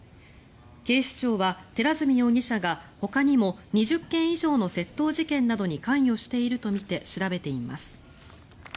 警視庁は寺墨容疑者がほかにも２０件以上の窃盗事件などに関与しているとみて調べています。